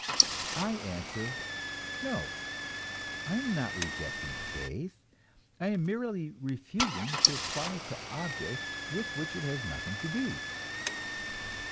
I answer, No; I am not rejecting faith; I am merely refusing to apply it to objects with which it has nothing to do.